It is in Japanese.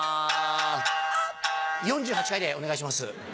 「４８回でお願いします」